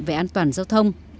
về an toàn giao thông